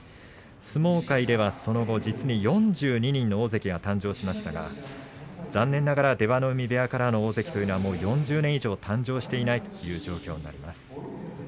相撲界ではその後実に４２人の大関が誕生しましたが残念ながら出羽海部屋からの大関というのはもう４０年以上誕生していないということになります。